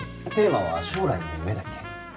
テーマは「将来の夢」だっけ？